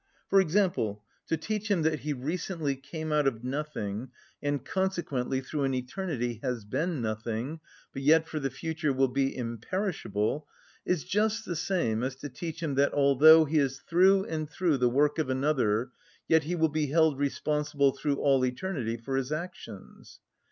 For example, to teach him that he recently came out of nothing, and consequently through an eternity has been nothing, but yet for the future will be imperishable, is just the same as to teach him that although he is through and through the work of another, yet he will be held responsible through all eternity for his actions.